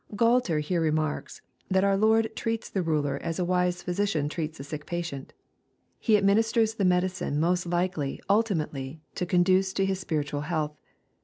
l Gualter here remarks, that our Lord treats the ruler as a wise physician treats a sick patient. He administers the medicine most likely ultimately to conduce to his spiritual health.